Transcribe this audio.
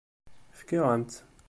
Fkiɣ-am-tt.